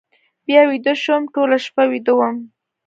بیا ویده شوم، ټوله شپه ویده وم.